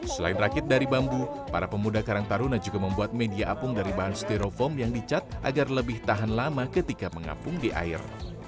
selain rakit dari bambu para pemuda karang taruna juga membuat media apung dari bahan stereofoam yang dicat agar lebih tahan lama ketika mengapung di air